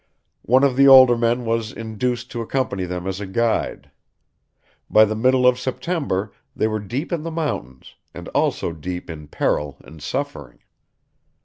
One of the older men was induced to accompany them as a guide. By the middle of September they were deep in the mountains, and also deep in peril and suffering.